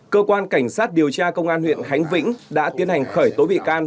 cơ quan cảnh sát điều tra công an huyện khánh vĩnh đã tiến hành khởi tố bị can